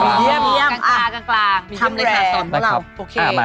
กลางครับนะคะ